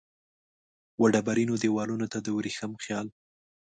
وډبرینو دیوالونو ته د وریښم خیال